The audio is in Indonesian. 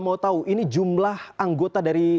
mau tahu ini jumlah anggota dari